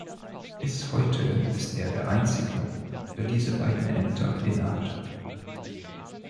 Bis heute ist er der Einzige, der diese beiden Ämter innehatte.